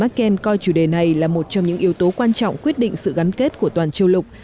bà merkel còn coi chủ đề này là một trong những yếu tố quan trọng quyết định sự gắn kết của toàn châu lục